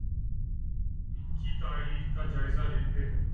ان کی تاریخ کا جائزہ لیتے ہیں